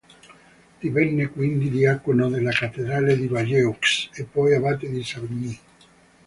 Divenne quindi diacono della cattedrale di Bayeux e poi abate di Savigny.